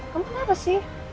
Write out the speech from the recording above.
kamu kenapa sih